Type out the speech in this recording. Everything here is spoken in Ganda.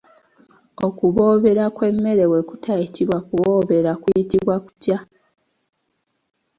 Okuboobera kw'emmere bwe kutayitibwa kuboobera, kuyitibwa kutya?